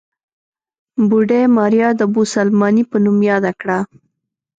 بوډۍ ماريا د بوسلمانې په نوم ياده کړه.